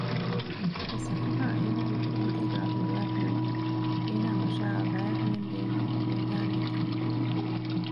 އެސަފުހާ އޭނާ ކުރިމަތީގައި ހުޅުވައިފިނަމަ އޭނާ މަށާ ވައިއެޅެން ބޭނުން ނުވެދާނެތީ ބިރުން